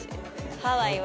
ハワイは。